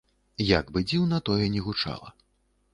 Як бы дзіўна тое не гучала.